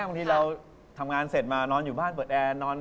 บางทีเราทำงานเสร็จมานอนอยู่บ้างเปลี่ยนอ่ะ